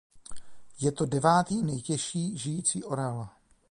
Je to devátý nejtěžší žijící orel.